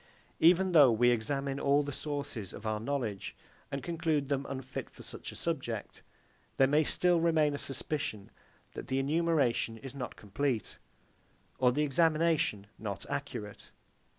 Even though we examine all the sources of our knowledge, and conclude them unfit for such a subject, there may still remain a suspicion, that the enumeration is not complete, or the examination not accurate.